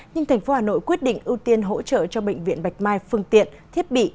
nhưng tp hà nội quyết định ưu tiên hỗ trợ cho bệnh viện bạch mai phương tiện thiết bị